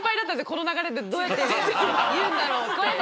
この流れでどうやって言うんだろうって。